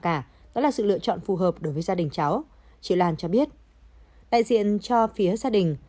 cả đó là sự lựa chọn phù hợp đối với gia đình cháu chị lan cho biết đại diện cho phía gia đình